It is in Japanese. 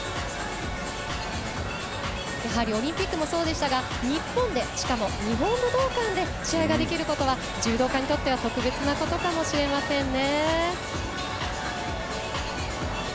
やはりオリンピックもそうでしたが日本で、しかも日本武道館で試合ができることは柔道家にとっては特別なことかもしれませんね。